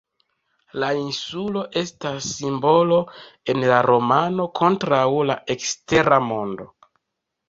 La insulo estas simbolo en la romano kontraŭ la ekstera mondo.